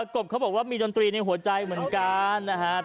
กบเขาบอกว่ามีดนตรีในหัวใจเหมือนกันนะครับ